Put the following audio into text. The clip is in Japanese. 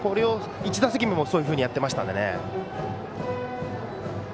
１打席目もそういうふうにやっていました。